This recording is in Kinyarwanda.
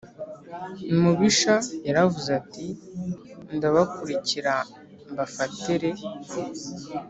umubisha yaravuze ati ndabakurikira mbafate re